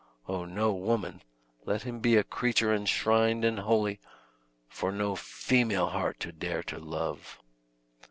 "Oh, no woman! Let him be a creature enshrined and holy, for no female heart to dare to love!"